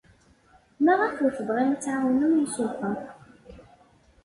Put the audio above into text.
Maɣef ur tebɣim ad tɛawnem imsulta?